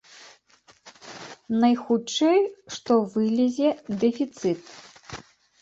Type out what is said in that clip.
Найхутчэй што вылезе дэфіцыт.